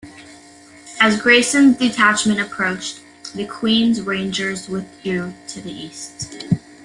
As Grayson's detachment approached, the Queen's Rangers withdrew to the east.